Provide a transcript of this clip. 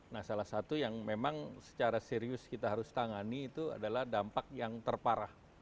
nah salah satu yang memang secara serius kita harus tangani itu adalah dampak yang terparah